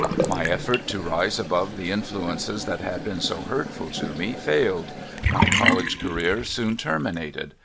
My effort to rise above the influences that had been so hurtful to me failed. My college career soon terminated.